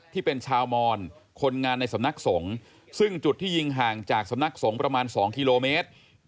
ที่เป็นชาวมอนคนงานในสำนักสงฆ์ซึ่งจุดที่ยิงห่างจากสำนักสงฆ์ประมาณ๒กิโลเมตร